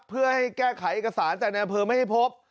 เพื่อให้แก้ไขเอกสารแต่ในอามเพิร์นไม่ให้พบ